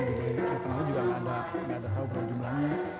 saya kenal juga nggak tahu berapa jumlahnya